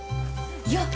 よっ！